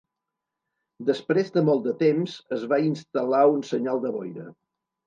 Després de molt de temps, es va instal·lar un senyal de boira.